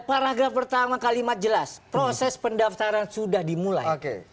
paragraf pertama kalimat jelas proses pendaftaran sudah dimulai